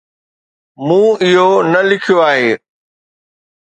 مون اهو نه لکيو آهي